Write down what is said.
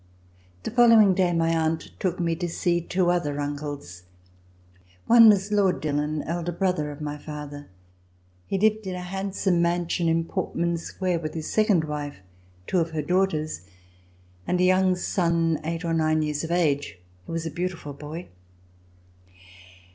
The following day my aunt took me to see two other uncles. One was Lord Dillon, elder brother of my father. He lived in a handsome mansion in Portman Square, with his second wife, two of her daughters, and a young son eight or nine years of age, who was a beautiful boy.